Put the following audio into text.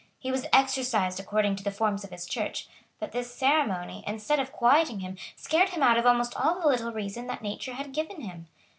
He was exorcised according to the forms of his Church; but this ceremony, instead of quieting him, scared him out of almost all the little reason that nature had given him.